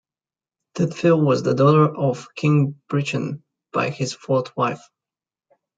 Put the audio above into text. Tydfil was the daughter of King Brychan by his fourth wife.